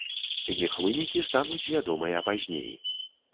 Іх вынікі стануць вядомыя пазней.